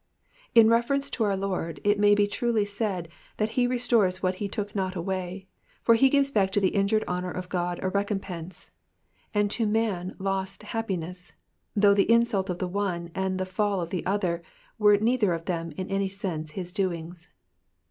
In reference to our Lord, it may be truly said that he restores what he took not away ; for he gives back to the injured honour of God a recompense, and to man his lost happmess, though the insult of the one and the fall of the other were neither of them, in any sense, his doings.